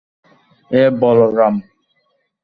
এই, বলরাম।